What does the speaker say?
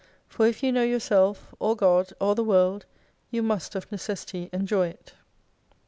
For if you know yourself, or God, or the World, you must of necessity enjoy it.